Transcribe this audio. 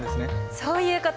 そういうこと。